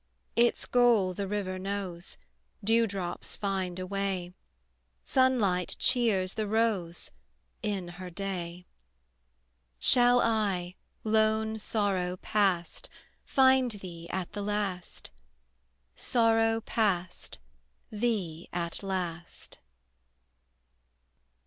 Its goal the river knows, Dewdrops find a way, Sunlight cheers the rose In her day: Shall I, lone sorrow past, Find thee at the last? Sorrow past, Thee at last?